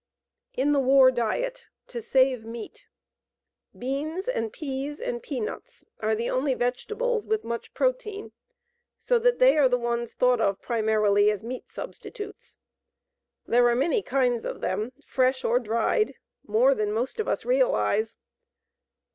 IN THE WAR DIET To Save Meat. Beans and peas and peanuts are the only vegetables with much protein, so that they are the ones thought of primarily as meat substitutes. There are many kinds of them, fresh or dried, more than most of us realize.